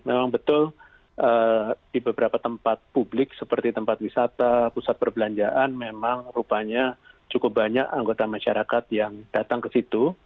memang betul di beberapa tempat publik seperti tempat wisata pusat perbelanjaan memang rupanya cukup banyak anggota masyarakat yang datang ke situ